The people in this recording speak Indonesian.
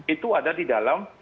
itu ada di dalam